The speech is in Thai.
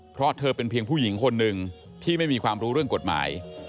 เพราะเธอเป็นเพียงผู้หญิงคนหนึ่งที่ไม่มีความรู้เรื่องกฎหมาย